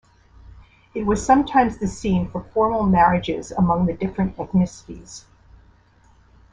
It was sometimes the scene for formal marriages among the different ethnicities.